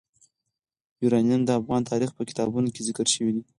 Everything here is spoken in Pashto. یورانیم د افغان تاریخ په کتابونو کې ذکر شوی دي.